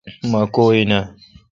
اوما کو این اؘ۔